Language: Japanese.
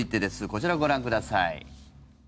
こちら、ご覧ください。